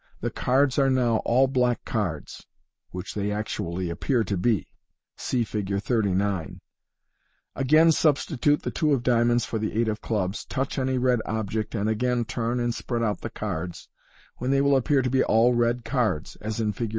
The cards are jow all black cards," which they actually Fig. 38. Fig. 39. MODERN MAGIC. 73 appear to be. (See Fig. 39.) Again substitute the two of diamonds for the eight of clubs, touch any red object, and again turn and spread out the cards, when they will appear to be all red cards, as in Fig.